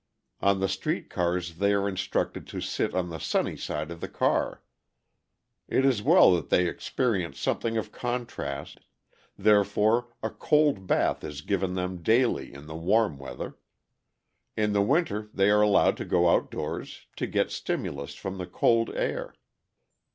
On the street cars they are instructed to sit on the sunny side of the car. It is well that they experience something of contrast; therefore, a cold bath is given them daily in the warm weather. In the winter they are allowed to go outdoors to get stimulus from the cold air.